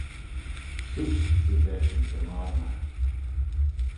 Seose. dooyrt eshyn dy moyrnagh.